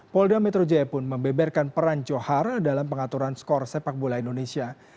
polda metro jaya pun membeberkan peran johar dalam pengaturan skor sepak bola indonesia